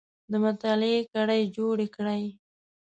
د مطالعې کړۍ جوړې کړئ